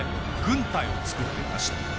軍隊を作っていました。